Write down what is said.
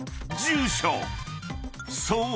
［そう！